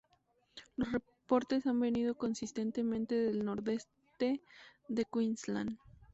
Los reportes han venido consistentemente del Nordeste de Queensland.